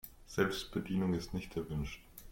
Selbstbedienung ist nicht erwünscht.